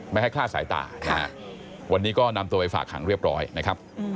ไม่ให้คลาดสายตานะฮะวันนี้ก็นำตัวไปฝากขังเรียบร้อยนะครับ